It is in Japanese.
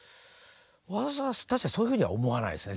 私は確かにそういうふうには思わないですね